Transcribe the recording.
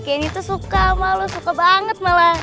kayaknya itu suka sama lo suka banget malah